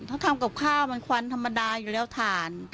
ถ้าทำกับข้าวมันควันธรรมดาอยู่แล้วถ่าน